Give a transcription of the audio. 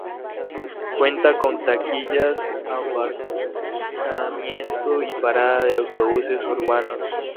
Cuenta con taquillas, aparcamiento y parada de autobuses urbanos.